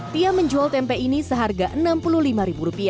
tia menjual tempe ini seharga rp enam puluh lima